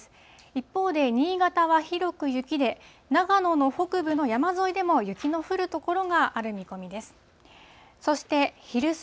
一方で、新潟は広く雪で、長野の北部の山沿いでも雪の降る所がある見込みです。